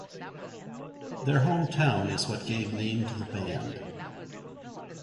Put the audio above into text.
Their hometown is what gave name to the band.